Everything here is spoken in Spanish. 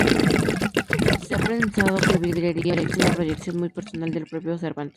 Se ha pensado que Vidriera es una proyección muy personal del propio Cervantes.